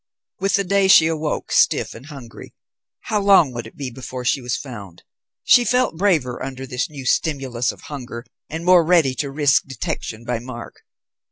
With the day she awoke, stiff and hungry. How long would it be before she was found? She felt braver under this new stimulus of hunger and more ready to risk detection by Mark.